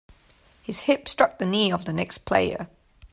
His hip struck the knee of the next player.